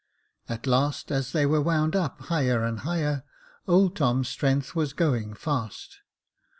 At last, as they were wound up higher and higher, old Tom's strength was going fast.